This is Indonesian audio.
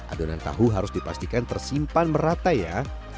adonan tahu harus dipastikan tersimpan merata ya